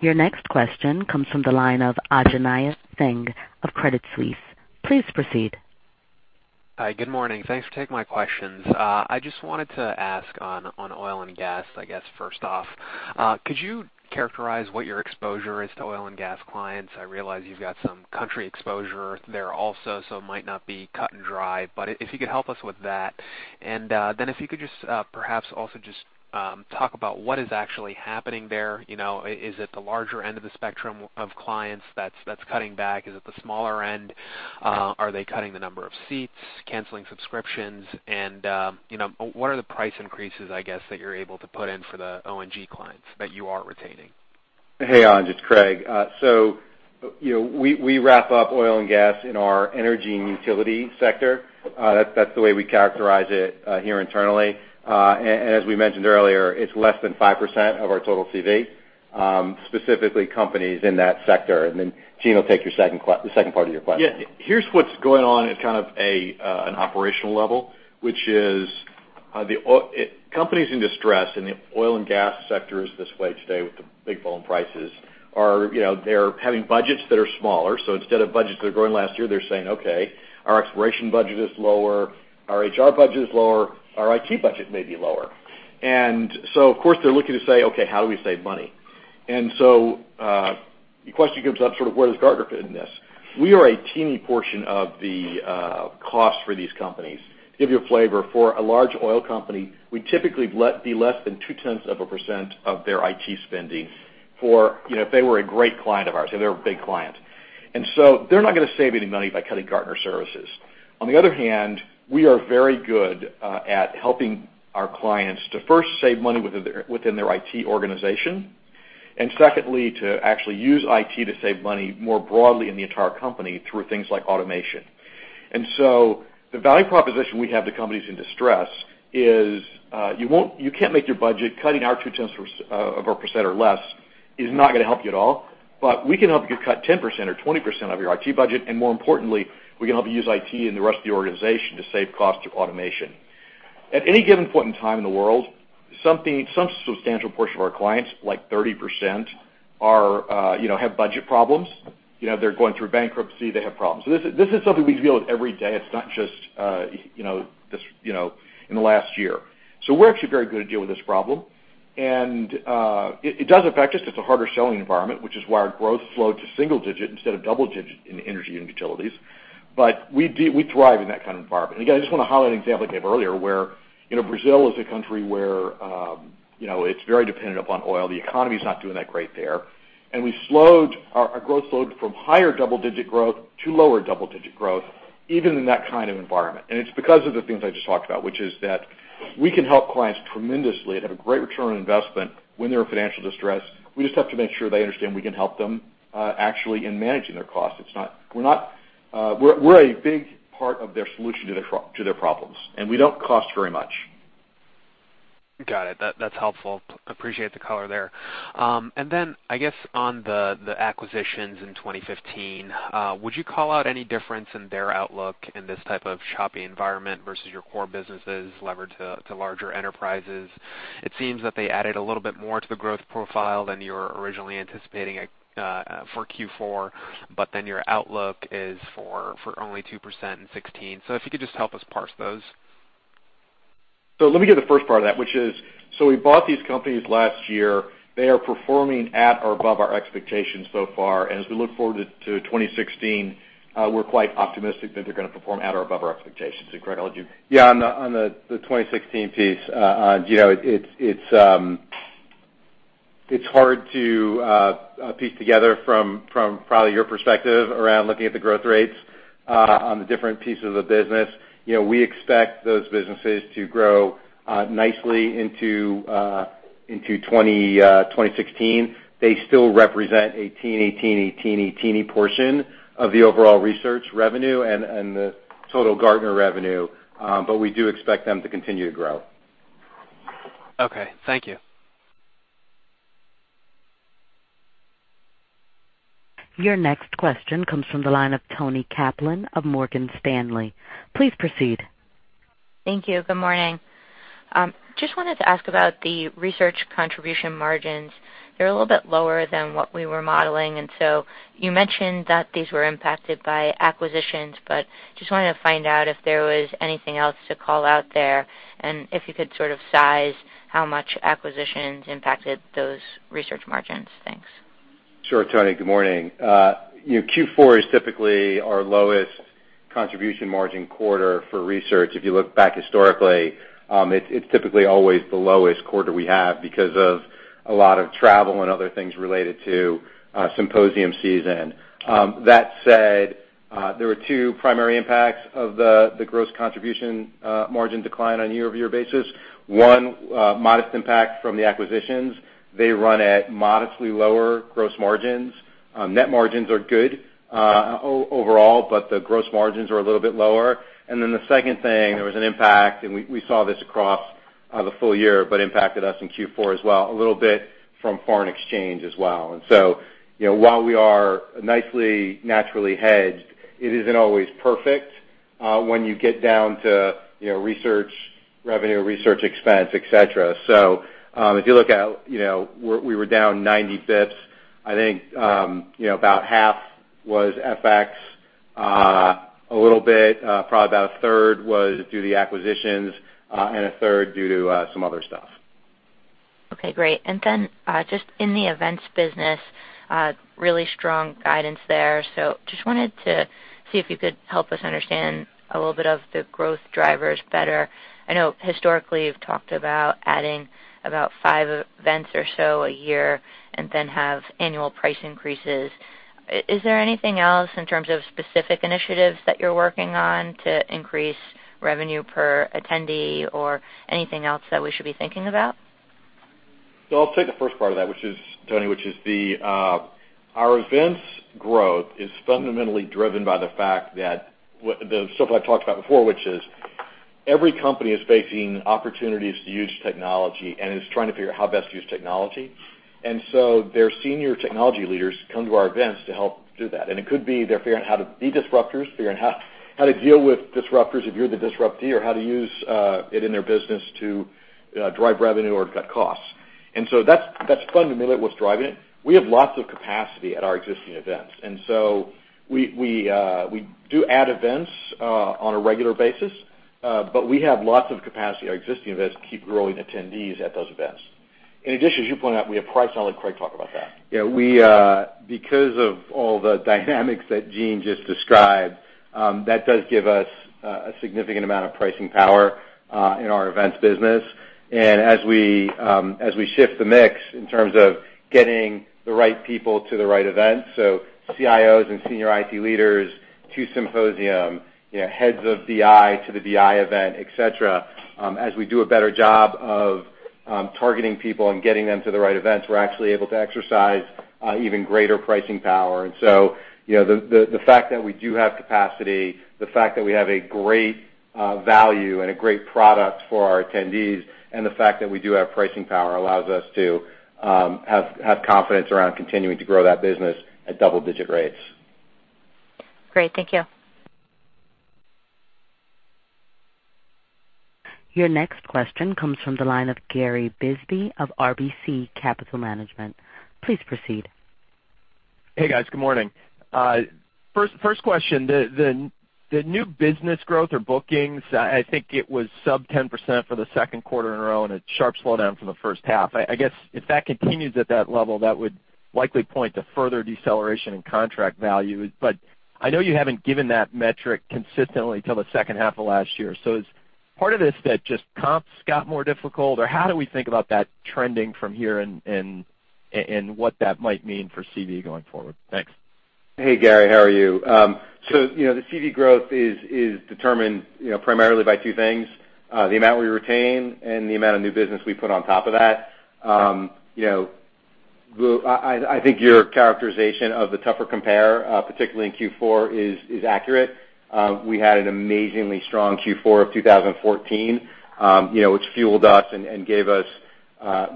Your next question comes from the line of Anjaneya Singh of Credit Suisse. Please proceed. Hi, good morning. Thanks for taking my questions. I just wanted to ask on oil and gas, I guess, first off. Could you characterize what your exposure is to oil and gas clients? I realize you've got some country exposure there also, so it might not be cut and dry. If you could help us with that. If you could just perhaps also just talk about what is actually happening there. You know, is it the larger end of the spectrum of clients that's cutting back? Is it the smaller end? Are they cutting the number of seats, canceling subscriptions? You know, what are the price increases, I guess, that you're able to put in for the O&G clients that you are retaining? Hey, Anj. It's Craig. You know, we wrap up oil and gas in our energy and utility sector. That's the way we characterize it here internally. As we mentioned earlier, it's less than 5% of our total CV, specifically companies in that sector. Gene will take your second part of your question. Yeah. Here's what's going on at kind of an operational level, which is, Companies in distress in the Oil and Gas Sector is this way today with the big fall in prices are, you know, they're having budgets that are smaller. Instead of budgets that are growing last year, they're saying, "Okay, our exploration budget is lower, our HR budget is lower, our IT budget may be lower." Of course, they're looking to say, "Okay, how do we save money?" The question comes up sort of where does Gartner fit in this? We are a teeny portion of the cost for these companies. To give you a flavor, for a large oil company, we typically let be less than 0.2% of their IT spending for, you know, if they were a great client of ours, say they're a big client. They're not gonna save any money by cutting Gartner services. We are very good at helping our clients to first save money within their IT organization, and secondly, to actually use IT to save money more broadly in the entire company through things like automation. The value proposition we have to companies in distress is, you can't make your budget. Cutting our 0.2% or less is not gonna help you at all. We can help you cut 10% or 20% of your IT budget, and more importantly, we can help you use IT in the rest of the organization to save cost through automation. At any given point in time in the world, some substantial portion of our clients, like 30%, are, you know, have budget problems. You know, they're going through bankruptcy, they have problems. This is something we deal with every day. It's not just, you know, this, you know, in the last year. We're actually very good at dealing with this problem. It does affect us. It's a harder selling environment, which is why our growth slowed to single digit instead of double digit in energy and utilities. We thrive in that kind of environment. Again, I just wanna highlight an example I gave earlier where, you know, Brazil is a country where, you know, it's very dependent upon oil. The economy is not doing that great there. We slowed our growth slowed from higher double-digit growth to lower double-digit growth even in that kind of environment. It's because of the things I just talked about, which is that we can help clients tremendously and have a great return on investment when they're in financial distress. We just have to make sure they understand we can help them, actually in managing their costs. We're a big part of their solution to their problems, and we don't cost very much. Got it. That's helpful. Appreciate the color there. I guess on the acquisitions in 2015, would you call out any difference in their outlook in this type of shopping environment versus your core businesses levered to larger enterprises? It seems that they added a little bit more to the growth profile than you were originally anticipating at for Q4, your outlook is for only 2% in 2016. If you could just help us parse those. Let me give the first part of that, which is, we bought these companies last year. They are performing at or above our expectations so far. As we look forward to 2016, we're quite optimistic that they're gonna perform at or above our expectations. Craig, would you? On the 2016 piece, you know, it's hard to piece together from probably your perspective around looking at the growth rates on the different pieces of the business. You know, we expect those businesses to grow nicely into 2016. They still represent a teeny portion of the overall research revenue and the total Gartner revenue, but we do expect them to continue to grow. Okay, thank you. Your next question comes from the line of Toni Kaplan of Morgan Stanley. Please proceed. Thank you. Good morning. Just wanted to ask about the research contribution margins. They're a little bit lower than what we were modeling. You mentioned that these were impacted by acquisitions. Just wanted to find out if there was anything else to call out there. If you could sort of size how much acquisitions impacted those research margins. Thanks. Sure, Toni. Good morning. You know, Q4 is typically our lowest contribution margin quarter for research. If you look back historically, it's typically always the lowest quarter we have because of a lot of travel and other things related to Symposium season. That said, there were two primary impacts of the gross contribution margin decline on a year-over-year basis. One modest impact from the acquisitions. They run at modestly lower gross margins. Net margins are good overall, but the gross margins are a little bit lower. Then the second thing, there was an impact, and we saw this across the full year but impacted us in Q4 as well, a little bit from foreign exchange as well. You know, while we are nicely naturally hedged, it isn't always perfect, when you get down to, you know, research revenue, research expense, et cetera. If you look at, you know, we were down 90 basis points. I think, you know, about half was FX, a little bit, probably about a third was due to the acquisitions, and a third due to some other stuff. Okay, great. Just in the events business, really strong guidance there. Just wanted to see if you could help us understand a little bit of the growth drivers better. I know historically you've talked about adding about five events or so a year and then have annual price increases. Is there anything else in terms of specific initiatives that you're working on to increase revenue per attendee or anything else that we should be thinking about? I'll take the first part of that, which is Toni, which is the our events growth is fundamentally driven by the fact that the stuff I've talked about before, which is every company is facing opportunities to use technology and is trying to figure out how best to use technology. Their senior technology leaders come to our events to help do that. It could be they're figuring how to be disruptors, figuring how to deal with disruptors if you're the disruptee or how to use it in their business to drive revenue or cut costs. That's, that's fundamentally what's driving it. We have lots of capacity at our existing events, and so we do add events on a regular basis, but we have lots of capacity at our existing events to keep growing attendees at those events. In addition, as you point out, we have price, and I'll let Craig talk about that. Yeah, we because of all the dynamics that Gene just described, that does give us a significant amount of pricing power in our events business. As we shift the mix in terms of getting the right people to the right events, so CIOs and senior IT leaders to Symposium, you know, heads of BI to the BI event, et cetera, as we do a better job of targeting people and getting them to the right events, we're actually able to exercise even greater pricing power. You know, the fact that we do have capacity, the fact that we have a great value and a great product for our attendees, and the fact that we do have pricing power allows us to have confidence around continuing to grow that business at double-digit rates. Great. Thank you. Your next question comes from the line of Gary Bisbee of RBC Capital Markets. Please proceed. Hey, guys. Good morning. First question, the new business growth or bookings, I think it was sub 10% for the second quarter in a row, and a sharp slowdown from the first half. I guess if that continues at that level, that would likely point to further deceleration in contract value. I know you haven't given that metric consistently till the second half of last year. Is part of this that just comps got more difficult, or how do we think about that trending from here and what that might mean for CV going forward? Thanks. Hey, Gary. How are you? You know, the CV growth is determined, you know, primarily by two things, the amount we retain and the amount of new business we put on top of that. Well, I think your characterization of the tougher compare, particularly in Q4 is accurate. We had an amazingly strong Q4 of 2014, you know, which fueled us and gave us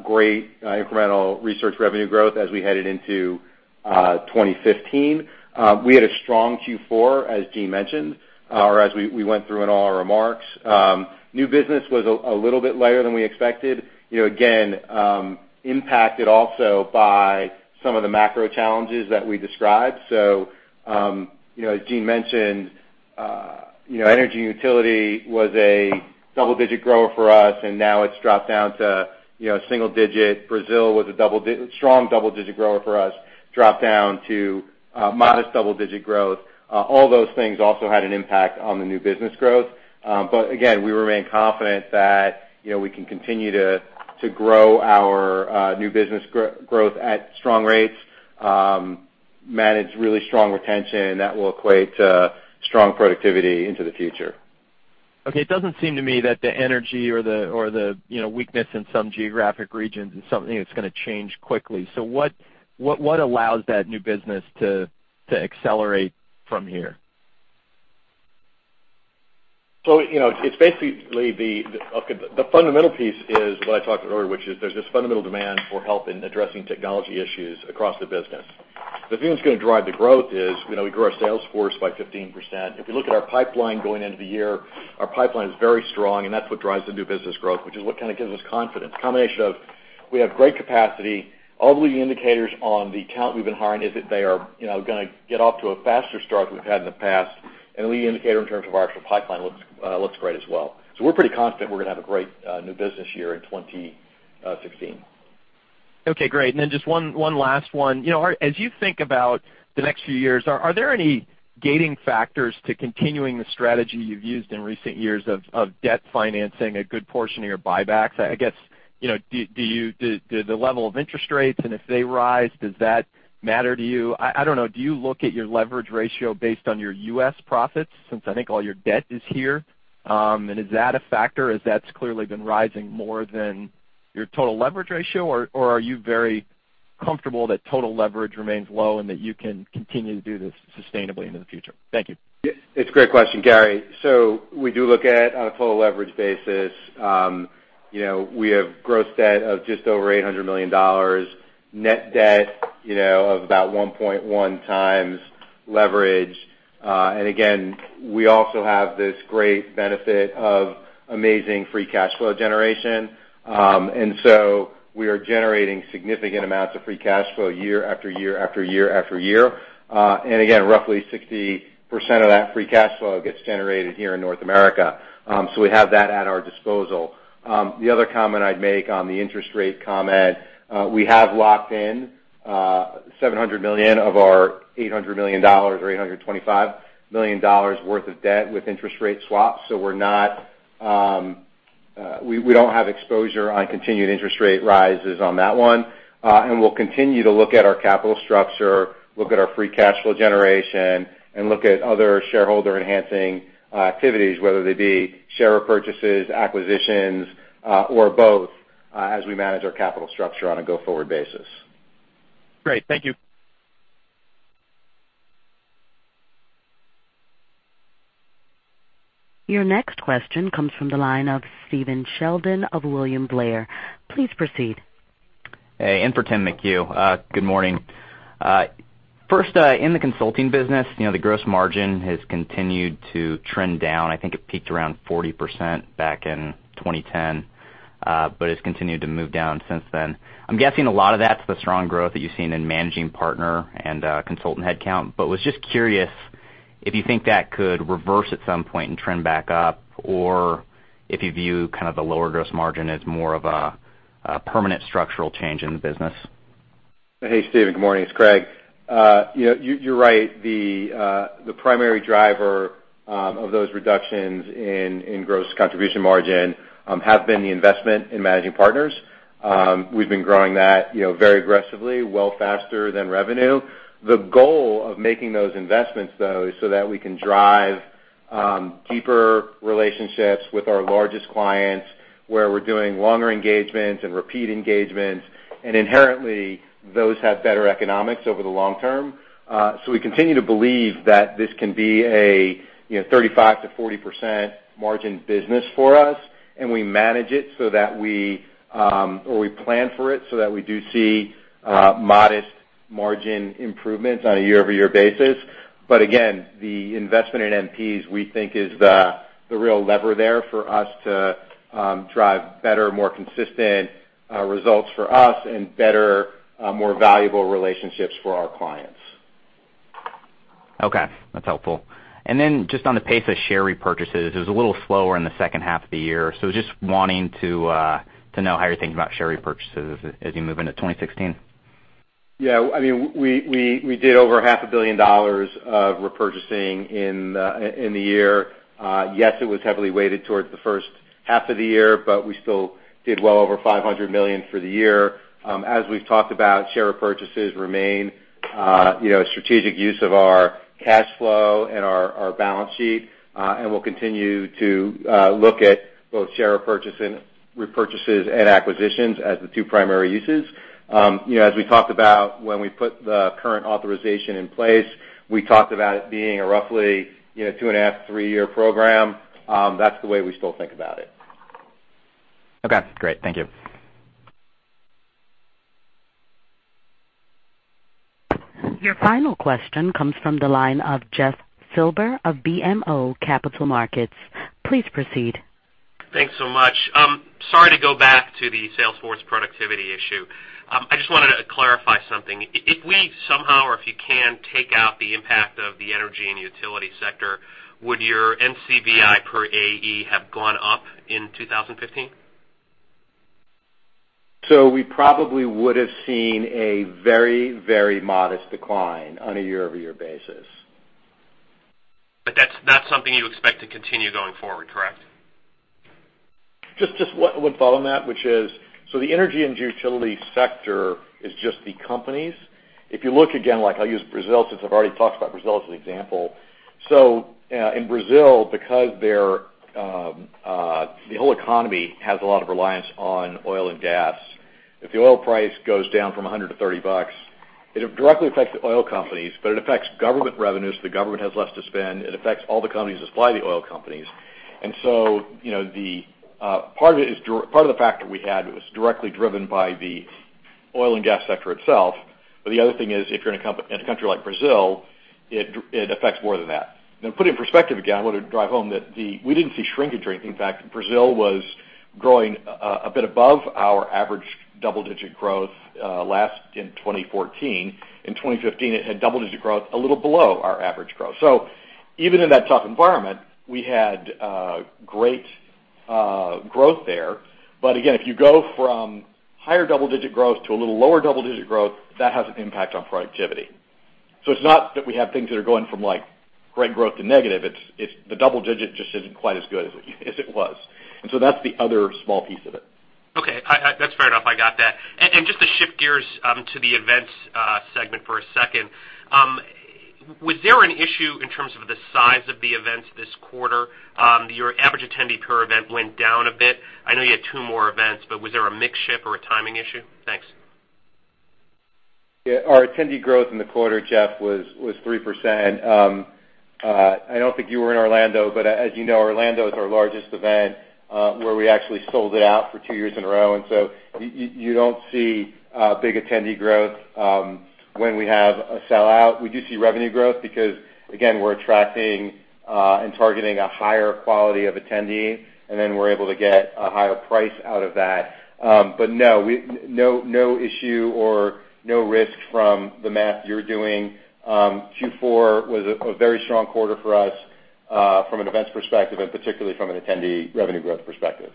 great incremental research revenue growth as we headed into 2015. We had a strong Q4, as Gene mentioned, or as we went through in all our remarks. New business was a little bit lighter than we expected. You know, again, impacted also by some of the macro challenges that we described. You know, as Gene mentioned, you know, energy and utility was a double-digit grower for us, and now it's dropped down to, you know, single-digit. Brazil was a strong double-digit grower for us, dropped down to modest double-digit growth. All those things also had an impact on the new business growth. But again, we remain confident that, you know, we can continue to grow our new business growth at strong rates, manage really strong retention, and that will equate to strong productivity into the future. Okay. It doesn't seem to me that the energy or the, or the, you know, weakness in some geographic regions is something that's gonna change quickly. What allows that new business to accelerate from here? You know, it's basically the fundamental piece is what I talked about earlier, which is there's this fundamental demand for help in addressing technology issues across the business. The thing that's gonna drive the growth is, you know, we grew our sales force by 15%. If you look at our pipeline going into the year, our pipeline is very strong, and that's what drives the new business growth, which is what kinda gives us confidence. Combination of we have great capacity. All the leading indicators on the talent we've been hiring is that they are, you know, gonna get off to a faster start than we've had in the past, and a leading indicator in terms of our actual pipeline looks great as well. We're pretty confident we're gonna have a great new business year in 2016. Okay, great. Just one last one. You know, as you think about the next few years, are there any gating factors to continuing the strategy you've used in recent years of debt financing a good portion of your buybacks? I guess, you know, do the level of interest rates, and if they rise, does that matter to you? I don't know, do you look at your leverage ratio based on your U.S. profits since I think all your debt is here? Is that a factor as that's clearly been rising more than your total leverage ratio, or are you very comfortable that total leverage remains low and that you can continue to do this sustainably into the future? Thank you. It's a great question, Gary. We do look at it on a total leverage basis. You know, we have gross debt of just over $800 million, net debt, you know, of about 1.1x leverage. Again, we also have this great benefit of amazing free cash flow generation. We are generating significant amounts of free cash flow year after year after year after year. Again, roughly 60% of that free cash flow gets generated here in North America. We have that at our disposal. The other comment I'd make on the interest rate comment, we have locked in 700 million of our $800 million or $825 million worth of debt with interest rate swaps, so we're not, we don't have exposure on continued interest rate rises on that one. We'll continue to look at our capital structure, look at our free cash flow generation, and look at other shareholder-enhancing activities, whether they be share repurchases, acquisitions, or both, as we manage our capital structure on a go-forward basis. Great. Thank you. Your next question comes from the line of Stephen Sheldon of William Blair. Please proceed. Hey, in for Tim McHugh. Good morning. First, in the consulting business, you know, the gross margin has continued to trend down. I think it peaked around 40% back in 2010, it's continued to move down since then. I'm guessing a lot of that's the strong growth that you've seen in managing partner and consultant headcount, was just curious if you think that could reverse at some point and trend back up, or if you view kind of the lower gross margin as more of a permanent structural change in the business. Hey, Stephen. Good morning. It's Craig. You know, you're right. The primary driver of those reductions in gross contribution margin have been the investment in managing partners. We've been growing that, you know, very aggressively, well faster than revenue. The goal of making those investments, though, is so that we can drive deeper relationships with our largest clients, where we're doing longer engagements and repeat engagements, and inherently, those have better economics over the long term. We continue to believe that this can be a, you know, 35%-40% margin business for us, and we manage it so that we, or we plan for it so that we do see modest margin improvements on a year-over-year basis. Again, the investment in MPs, we think is the real lever there for us to drive better, more consistent results for us and better, more valuable relationships for our clients. Okay. That's helpful. Just on the pace of share repurchases, it was a little slower in the second half of the year, just wanting to know how you're thinking about share repurchases as you move into 2016. Yeah. I mean, we did over half a billion dollars of repurchasing in the year. Yes, it was heavily weighted towards the first half of the year, we still did well over $500 million for the year. As we've talked about, share repurchases remain, you know, a strategic use of our cash flow and our balance sheet, we'll continue to look at both share repurchases and acquisitions as the two primary uses. You know, as we talked about when we put the current authorization in place, we talked about it being a roughly, you know, two and half, three-year program. That's the way we still think about it. Okay, great. Thank you. Your final question comes from the line of Jeff Silber of BMO Capital Markets. Please proceed. Thanks so much. Sorry to go back to the sales force productivity issue. I just wanted to clarify something. If we somehow or if you can take out the impact of the energy and utility sector, would your NCVI per AE have gone up in 2015? We probably would have seen a very, very modest decline on a year-over-year basis. That's something you expect to continue going forward, correct? One follow on that, which is the energy and utility sector is just the companies. If you look again, like I use Brazil, since I've already talked about Brazil as an example. In Brazil, because their the whole economy has a lot of reliance on oil and gas. If the oil price goes down from $100 to $30, it directly affects the oil companies, but it affects government revenues. The government has less to spend. It affects all the companies that supply the oil companies. You know, part of the factor we had was directly driven by the oil and gas sector itself. The other thing is, if you're in a country like Brazil, it affects more than that. Now, put in perspective, again, I want to drive home that we didn't see shrinkage rate. In fact, Brazil was growing a bit above our average double-digit growth last in 2014. In 2015, it had double-digit growth a little below our average growth. Even in that tough environment, we had great growth there. Again, if you go from higher double-digit growth to a little lower double-digit growth, that has an impact on productivity. It's not that we have things that are going from like great growth to negative. It's the double digit just isn't quite as good as it was. That's the other small piece of it. Okay. I that's fair enough, I got that. Just to shift gears to the events segment for a second. Was there an issue in terms of the size of the events this quarter? Your average attendee per event went down a bit. I know you had two more events, but was there a mix shift or a timing issue? Thanks. Yeah, our attendee growth in the quarter, Jeff, was 3%. I don't think you were in Orlando, but as you know, Orlando is our largest event, where we actually sold it out for two years in a row. You don't see big attendee growth when we have a sellout. We do see revenue growth because, again, we're attracting and targeting a higher quality of attendee, and then we're able to get a higher price out of that. No, no issue or no risk from the math you're doing. Q4 was a very strong quarter for us from an events perspective and particularly from an attendee revenue growth perspective.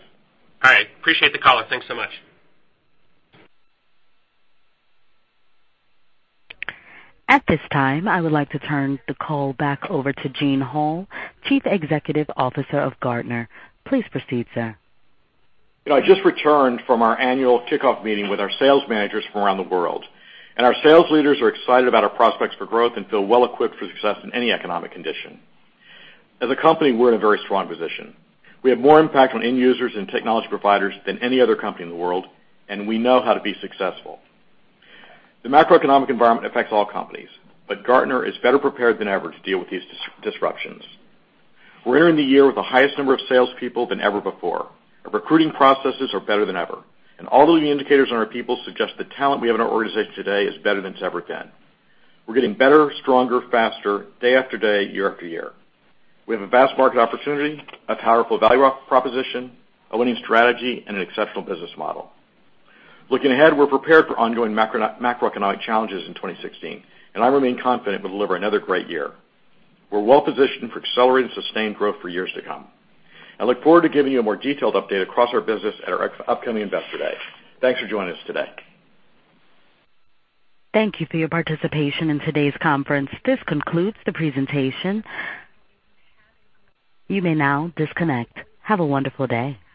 All right. Appreciate the call. Thanks so much. At this time, I would like to turn the call back over to Gene Hall, Chief Executive Officer of Gartner. Please proceed, sir. You know, I just returned from our annual kickoff meeting with our sales managers from around the world, and our sales leaders are excited about our prospects for growth and feel well-equipped for success in any economic condition. As a company, we're in a very strong position. We have more impact on end users and technology providers than any other company in the world, and we know how to be successful. The macroeconomic environment affects all companies, but Gartner is better prepared than ever to deal with these disruptions. We're entering the year with the highest number of salespeople than ever before. Our recruiting processes are better than ever. All the indicators on our people suggest the talent we have in our organization today is better than it's ever been. We're getting better, stronger, faster, day after day, year after year. We have a vast market opportunity, a powerful value proposition, a winning strategy, and an exceptional business model. Looking ahead, we're prepared for ongoing macroeconomic challenges in 2016, and I remain confident we'll deliver another great year. We're well positioned for accelerated and sustained growth for years to come. I look forward to giving you a more detailed update across our business at our upcoming Investor Day. Thanks for joining us today. Thank you for your participation in today's conference. This concludes the presentation. You may now disconnect. Have a wonderful day.